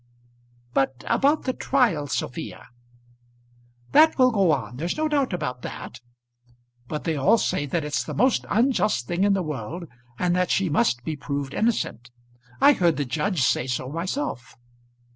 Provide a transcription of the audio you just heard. "But about the trial, Sophia?" "That will go on. There's no doubt about that. But they all say that it's the most unjust thing in the world, and that she must be proved innocent. I heard the judge say so myself."